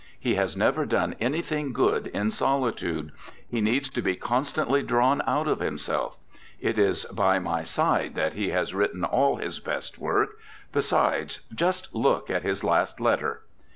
He has never done anything good in solitude; he needs to be constantly drawn out of himself. It is by my side that he has written all his best work. Besides, just look at his last letter.'